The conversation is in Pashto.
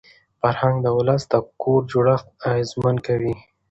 فرهنګ د ولس د کور جوړښت اغېزمن کوي.